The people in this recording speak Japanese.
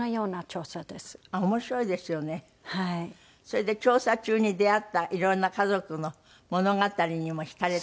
それで調査中に出会った色んな家族の物語にも惹かれたりしたりした？